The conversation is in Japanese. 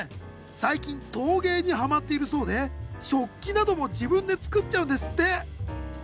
最近陶芸にハマっているそうで食器なども自分で作っちゃうんですって。